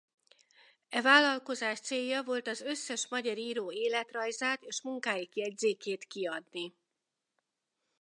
E vállalkozás célja volt az összes magyar író életrajzát és munkáik jegyzékét kiadni.